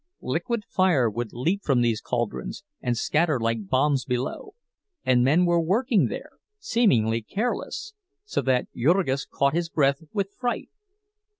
Liquid fire would leap from these caldrons and scatter like bombs below—and men were working there, seeming careless, so that Jurgis caught his breath with fright.